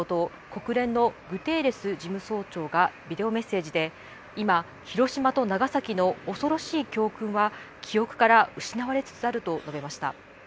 国連のグテーレス事務総長がビデオメッセージで今、広島と長崎の恐ろしい教訓は記憶から失われつつあると述べました。